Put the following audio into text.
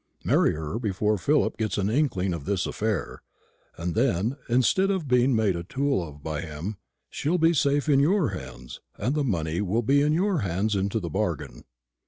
"Marry her before Philip gets an inkling of this affair, and then, instead of being made a tool of by him, she'll be safe in your hands, and the money will be in your hands into the bargain.